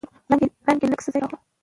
رنګ يې لېږ څه ځاى ته راغلو.